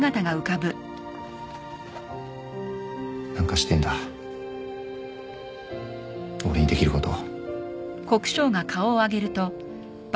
何かしてえんだ俺にできること。